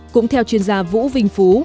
cũng theo chuyên gia vũ vinh phú